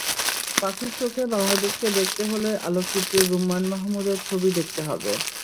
পাখির চোখে বাংলাদেশকে দেখতে হলে আলোকচিত্রী রুম্মান মাহমুদের ছবি দেখতে হবে।